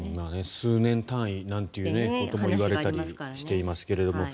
数年単位なんていうことも言われたりしていますけど。